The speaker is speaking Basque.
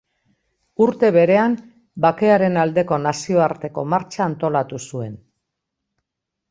Urte berean, Bakearen aldeko Nazioarteko Martxa antolatu zuen.